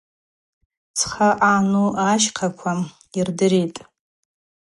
Цха ъану ащхаква йырдыритӏ.